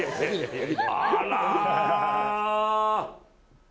あら。